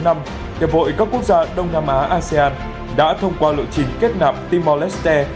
hiệp hội các quốc gia đông nam á asean đã thông qua lộ chính kết nạp timor leste